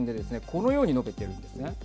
このように述べているんですね。